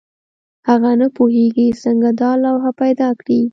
هغه نه پوهېږي څنګه دا لوحه پیدا کړي.